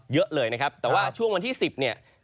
เยอะเลยนะครับแต่ว่าช่วงวันที่๑๐เนี่ย